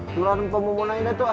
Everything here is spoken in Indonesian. curhat untuk memulainya tuh ah